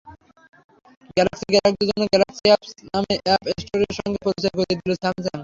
Galaxy গ্রাহকদের জন্য Galaxy apps নামে অ্যাপ স্টোরের সঙ্গে পরিচয় করিয়ে দিল স্যামসাং।